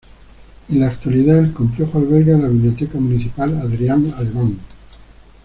En la actualidad, el complejo alberga la "Biblioteca Municipal Adrián Alemán".